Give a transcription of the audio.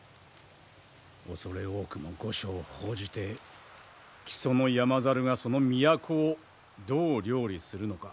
恐れ多くも御所を奉じて木曽の山猿がその都をどう料理するのか。